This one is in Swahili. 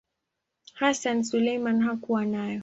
Hassan Suleiman hakuwa nayo.